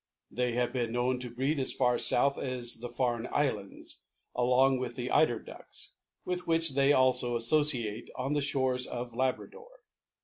They have been known to breed as far south as the Farne Isles, along with the Eider Ducks, with which they also associate on the shores of Labrador.